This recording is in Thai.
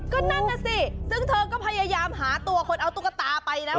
ก็นั่นน่ะสิซึ่งเธอก็พยายามหาตัวคนเอาตุ๊กตาไปนะ